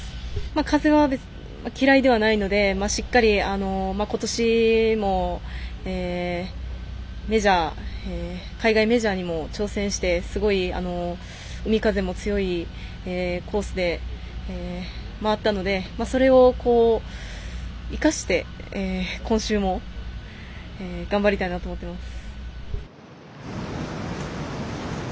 風は嫌いではないのでしっかり今年も海外メジャーにも挑戦してすごい海風も強いコースで回ったので、それを生かして今週も頑張りたいなと思っています。